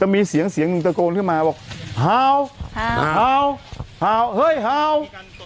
มีเสียงนิ่งตะโกนขึ้นมาบอกฮาวฮาว